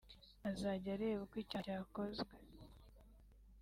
azajya areba uko icyaha cyakozwemo